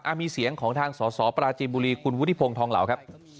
มีเสียงของทางสสปราจีนบุรีคุณวุฒิพงศ์ทองเหล่าครับ